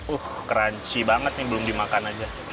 uh crunchy banget nih belum dimakan aja